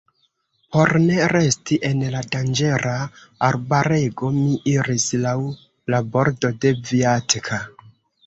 Por ne resti en la danĝera arbarego, mi iris laŭ la bordo de Vjatka.